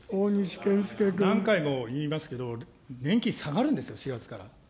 何回も言いますけれども、年金下がるんですよ、４月から。